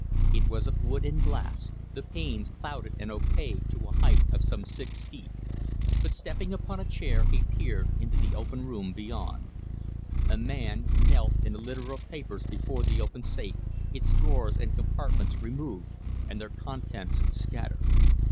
It was of wood and glass, the panes clouded and opaque to a height of some six feet; but stepping upon a chair he peered into the room beyond. A man knelt in a litter of papers before the open safe, its drawers and compartments removed and their contents scattered.